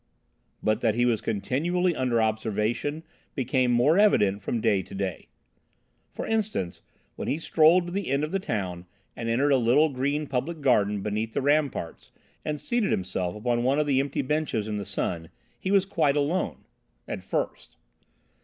But that he was continually under observation became more evident from day to day. For instance, when he strolled to the end of the town and entered a little green public garden beneath the ramparts and seated himself upon one of the empty benches in the sun, he was quite alone—at first.